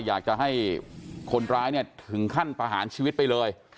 อยากจะให้คนร้ายเนี่ยถึงขั้นประหารชีวิตไปเลย